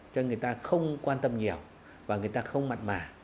cho nên người ta không quan tâm nhiều và người ta không mặt mả